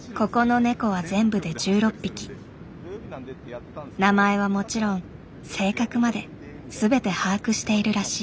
名前はもちろん性格まで全て把握しているらしい。